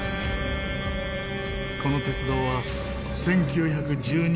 この鉄道は１９１２年に開通。